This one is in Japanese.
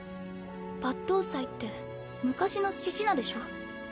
抜刀斎って昔の志士名でしょ。